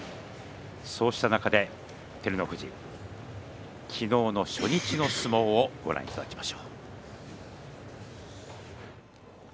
そうした中で、照ノ富士昨日の初日の相撲をご覧いただきます。